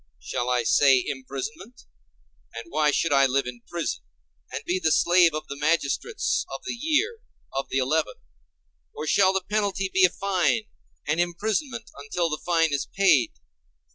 Shall I say imprisonment? And why should I live in prison, and be the slave of the magistrates of the year—of the Eleven? Or shall the penalty be a fine, and imprisonment until the fine is paid?